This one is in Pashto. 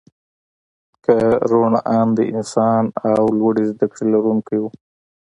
هغه روڼ انده انسان او لوړې زدکړې لرونکی و